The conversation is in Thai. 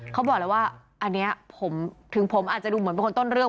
เขาบอกเลยว่าอันนี้ผมถึงผมอาจจะดูเหมือนเป็นคนต้นเรื่อง